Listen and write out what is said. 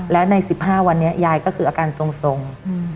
และในสิบห้าวันนี้ยายก็คืออาการทรงทรงอืม